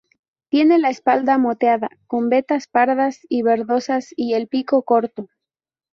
Tiene la espalda moteada con vetas pardas y verdosas y el pico corto.